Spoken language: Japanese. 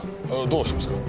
どうしますか？